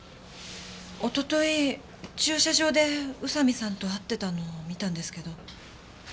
おととい駐車場で宇佐見さんと会ってたの見たんですけど。